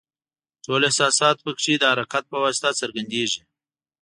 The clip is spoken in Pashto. ټول احساسات پکې د حرکت په واسطه څرګندیږي.